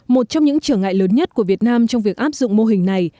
một trong những trở ngại lớn nhất của việt nam trong việc áp dụng mô hình này